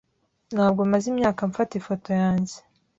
Ntabwo maze imyaka mfata ifoto yanjye.